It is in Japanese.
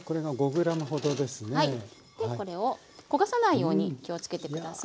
でこれを焦がさないように気をつけて下さい。